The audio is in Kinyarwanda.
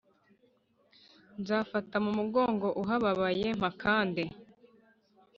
Nzafata mu mugongo ahababaye mpakande